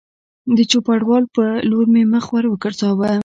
د چوپړوال په لور مې مخ ور وګرځاوه